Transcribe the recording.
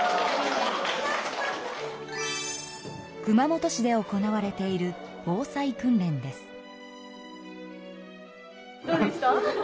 熊本市で行われている防災訓練です。